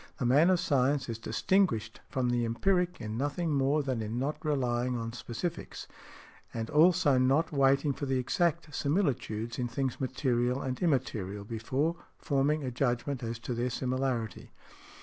The man of science is distinguished from the empiric in nothing more than in not relying on specifics, and also not waiting for the exact similitudes in things material and immaterial before forming a judgment as to their similarity .